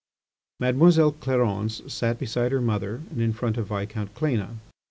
Mademoiselle Clarence sat beside her mother and in front of Viscount Cléna.